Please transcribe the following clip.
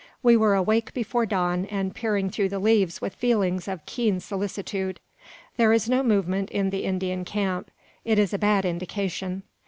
We were awake before dawn, and peering through the leaves with feelings of keen solicitude. There is no movement in the Indian camp. It is a bad indication.